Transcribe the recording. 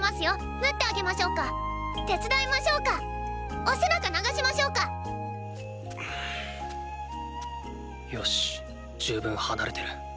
縫ってあげましょうか⁉手伝いましょうか⁉お背中流しましょうか⁉よし十分離れてる。